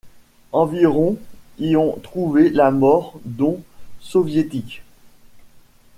Environ y ont trouvé la mort, dont soviétiques.